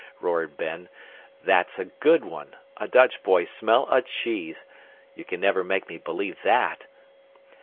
roared Ben. "That's a good one. A Dutch boy smell a cheese! You can never make me believe THAT!"